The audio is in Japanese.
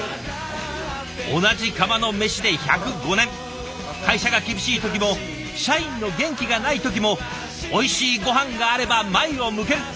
同じ釜の飯で１０５年会社が厳しい時も社員の元気がない時もおいしいご飯があれば前を向ける。